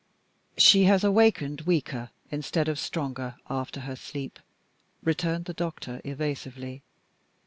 "She has awakened weaker instead of stronger after her sleep," returned the doctor, evasively.